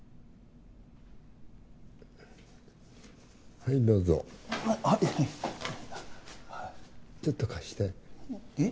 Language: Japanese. はいどうぞあっちょっと貸してえっ？